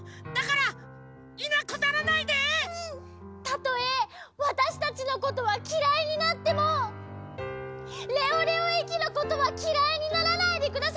たとえわたしたちのことはきらいになってもレオレオ駅のことはきらいにならないでください！